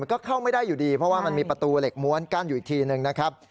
ก็เข้าไม่ได้อยู่ดีเพราะว่ามันมีประตูเหล็กม้วนกั้นอยู่อีกทีหนึ่งนะครับ